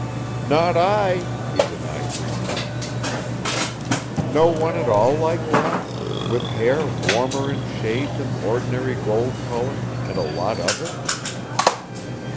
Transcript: "Not I!" he denied briefly. "No one at all like that with hair warmer in shade than ordinary gold color, and a lot of it?"